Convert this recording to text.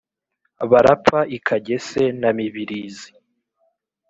barapfa i kagese na mibirizi